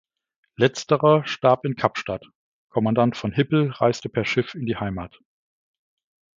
Letzterer starb in Kapstadt, Kommandant von Hippel reiste per Schiff in die Heimat.